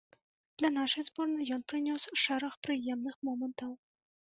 Для нашай зборнай ён прынёс шэраг прыемных момантаў.